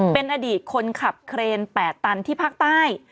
เป็นอดีตคนขับเครน๘ตันที่ภาคใต้